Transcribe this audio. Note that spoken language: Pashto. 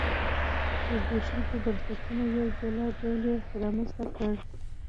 د زبېښونکو بنسټونو یو جلا ډول یې رامنځته کړ.